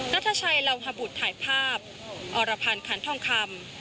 นัทชัยเหล่าฮบุตรถ่ายภาพอรพันธ์ขันทองคำ